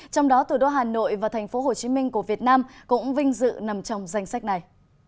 trong đó thủ đô hà nội và thành phố hồ chí minh của việt nam cũng vinh dự nằm trong danh sách này